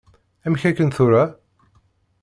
Amek aken tura?